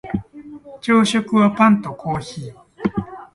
朝食はパンとコーヒー